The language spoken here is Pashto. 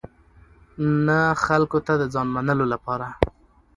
نه خلکو ته د ځان منلو لپاره.